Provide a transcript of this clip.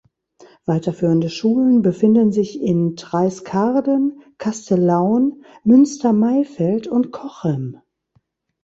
Weiterführende Schulen befinden sich in Treis-Karden, Kastellaun, Münstermaifeld und Cochem.